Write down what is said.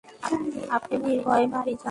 আপনি নির্ভয়ে বাড়ি যান।